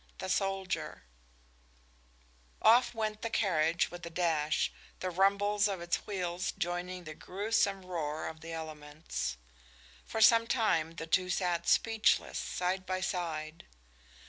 THE SOLDIER Off went the carriage with a dash, the rumbles of its wheels joining in the grewsome roar of the elements. For some time the two sat speechless, side by side.